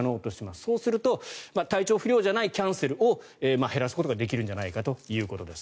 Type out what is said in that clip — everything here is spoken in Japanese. そうすると体調不良じゃないキャンセルを減らすことができるんじゃないかということです。